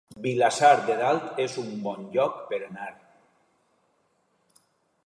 Vilassar de Dalt es un bon lloc per anar-hi